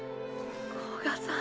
古賀さん。